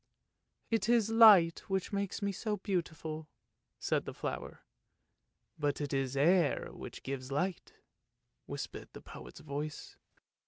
"It is light which makes me so beautiful," said the flower. " But it is air which gives light! " whispered the poet's voice.